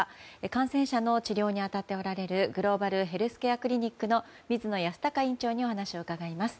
感染者の治療に当たっておられるグローバルヘルスケアクリニック水野泰孝院長にお話を伺います。